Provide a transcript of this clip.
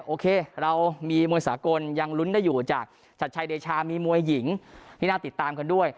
โอเคเรามีมวยสากลยังลุ้นได้อยู่จากชัดชัยเดชามีมวยหญิงที่น่าติดตามกันด้วย